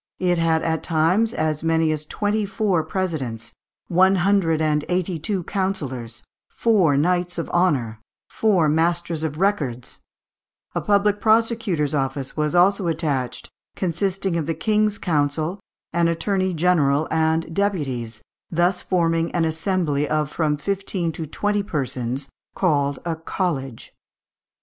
312 to 314). It had at times as many as twenty four presidents, one hundred and eighty two councillors, four knights of honour, four masters of records; a public prosecutor's office was also attached, consisting of the king's counsel, an attorney general and deputies, thus forming an assembly of from fifteen to twenty persons, called a college.